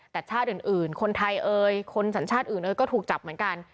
แต่ชาติอื่นคนไทยเอ่ยคนสัญชาติอื่นเอยก็ถูกจับเหมือนกัน